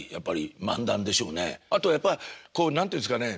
あとはやっぱこう何て言うんですかね